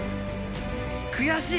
悔しい！